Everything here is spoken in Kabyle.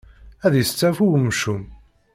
Ad yesteɛfu wemcum.